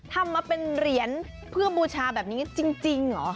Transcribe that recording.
ทำมาเป็นเหรียญเพื่อบูชาแบบนี้จริงเหรอ